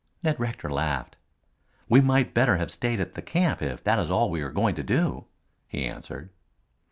Ned Rector laughed. "We might better have stayed at the camp if that is all we are going to do," he answered.